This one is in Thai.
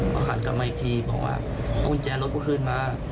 เขาหันกลับมาอีกทีบอกว่าเอากุญแจรถกูคืนมา